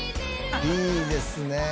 いいですねえ。